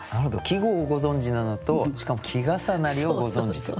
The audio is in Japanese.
季語をご存じなのとしかも季重なりをご存じと。